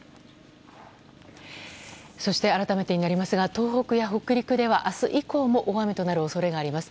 そして改めてになりますが東北や北陸では明日以降も大雨となる恐れがあります。